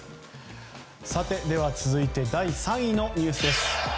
続いて第３位のニュースです。